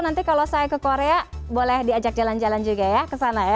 nanti kalau saya ke korea boleh diajak jalan jalan juga ya kesana ya